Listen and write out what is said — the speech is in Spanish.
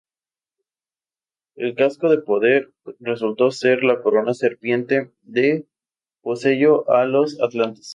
El Casco de Poder resultó ser la Corona Serpiente, que poseyó a los atlantes.